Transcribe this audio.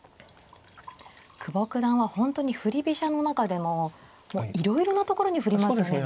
久保九段は本当に振り飛車の中でもいろいろなところに振りますよね。